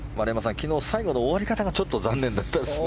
昨日最後の終わり方がちょっと残念だったですね。